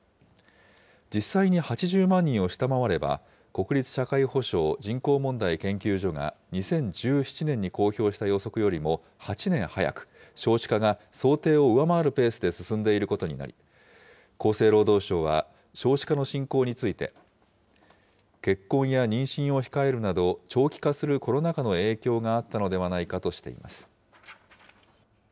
実際に８０万人を下回れば、国立社会保障・人口問題研究所が２０１７年に公表した予測よりも８年早く、少子化が想定を上回るペースで進んでいることになり、厚生労働省は少子化の進行について、結婚や妊娠を控えるなど、長期化するコロナ禍の影響があったのではないかとしています。